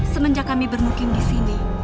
semenjak kami bermukim disini